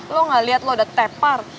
lo gak lihat lo udah tepar